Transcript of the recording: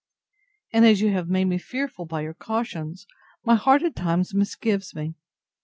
And as you have made me fearful by your cautions, my heart at times misgives me.